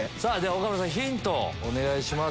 岡村さんヒントをお願いします。